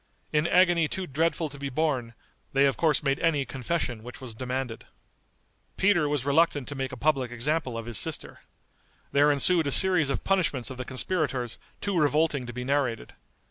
In agony too dreadful to be borne, they of course made any confession which was demanded. Peter was reluctant to make a public example of his sister. There ensued a series of punishments of the conspirators too revolting to be narrated.